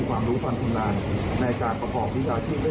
ความผิดเรื่องช่อโครงโดยแสดงกฎเป็นหรือคนอื่น